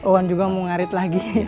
wawan juga mau ngarit lagi